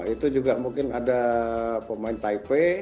itu juga mungkin ada pemain taipei